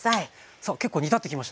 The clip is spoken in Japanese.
さあ結構煮立ってきましたね。